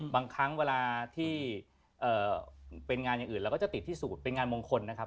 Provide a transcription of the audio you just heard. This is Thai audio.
บางครั้งเวลาที่เป็นงานอย่างอื่นเราก็จะติดที่สูตรเป็นงานมงคลนะครับ